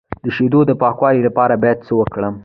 د شیدو د پاکوالي لپاره باید څه وکړم؟